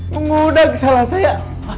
mengudag salah saya